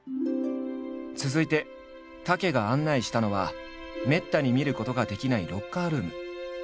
続いて武が案内したのはめったに見ることができないロッカールーム。